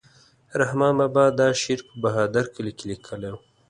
رحمان بابا دا شعر په بهادر کلي کې لیکلی و.